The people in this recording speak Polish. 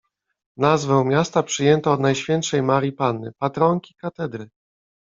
Nazwę miasta przyjęto od Najświętszej Marii Panny, patronki katedry.